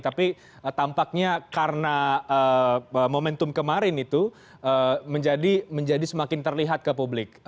tapi tampaknya karena momentum kemarin itu menjadi semakin terlihat ke publik